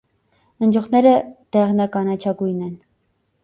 Ընձյուղները դեղնականաչագույն են։